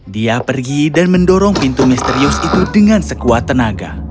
dia pergi dan mendorong pintu misterius itu dengan sekuat tenaga